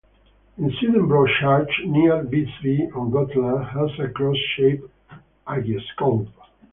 In Sweden Bro church near Visby on Gotland has a cross-shaped hagioscope.